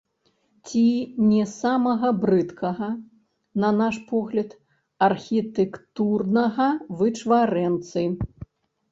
Ці не самага брыдкага, на наш погляд, архітэктурнага вычварэнцы.